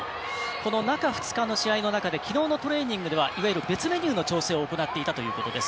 この中２日の試合の中できのうのトレーニングでは別メニューでの調整を行っていたということです。